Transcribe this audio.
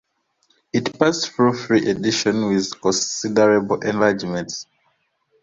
It passed through three editions with considerable enlargements.